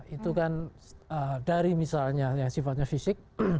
itu kan dari misalnya yang sifatnya fisik